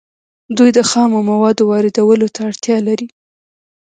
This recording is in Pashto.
دوی د خامو موادو واردولو ته اړتیا لري